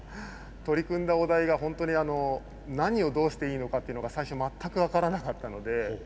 取り組んだお題がホントに何をどうしていいのかっていうのが最初全く分からなかったので。